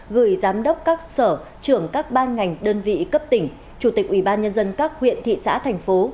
gửi giám đốc các sở trưởng các ban ngành đơn vị cấp tỉnh chủ tịch ubnd các huyện thị xã thành phố